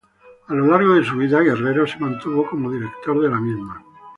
A lo largo de su vida, Guerrero se mantuvo como director de la misma.